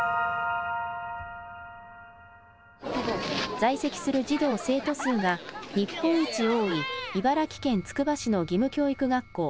在籍する児童生徒数が日本一多い茨城県つくば市の義務教育学校。